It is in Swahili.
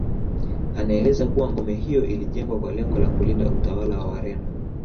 Anaeleza kuwa ngome hiyo ilijengwa kwa lengo la kulinda utawala wa Wareno